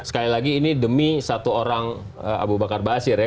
sekali lagi ini demi satu orang abu bakar basir ya